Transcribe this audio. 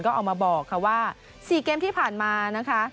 ก็ออกมาบอกค่ะว่า๔เกมที่ผ่านมานะคะ